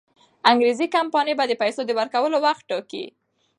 انګریزي کمپانۍ به د پیسو د ورکولو وخت ټاکي.